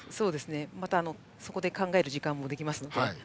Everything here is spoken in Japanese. またそこで考える時間もできますので。